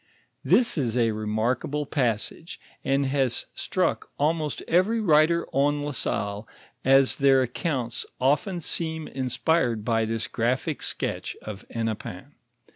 This is a remarkable passage, and has struck almost every writer on La Salle as their accounts often seem inspired by this grapliic sketch of Hennepin.